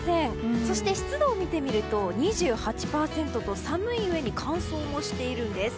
そして、湿度を見てみると２８％と寒いうえに乾燥もしているんです。